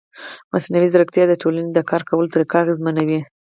مصنوعي ځیرکتیا د ټولنې د کار کولو طریقه اغېزمنوي.